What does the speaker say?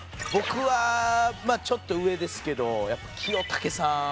僕はまあちょっと上ですけどやっぱ清武さん。